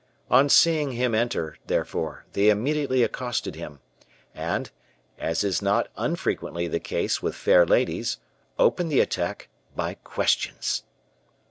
On seeing him enter, therefore, they immediately accosted him; and, as is not unfrequently the case with fair ladies, opened the attack by questions.